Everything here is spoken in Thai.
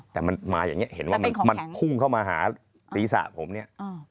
แต่มันมาเห็นว่ามันหุ้งเข้ามาหาสีสากผมเนี่ย